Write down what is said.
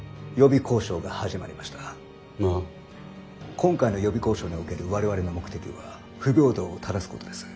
今回の予備交渉における我々の目的は不平等を正すことです。